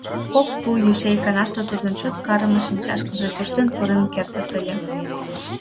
Кок пу йоча иканаште тудын чот карыме шинчашкыже тӧрштен пурен кертыт ыле.